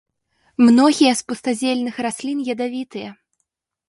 Многія з пустазельных раслін ядавітыя.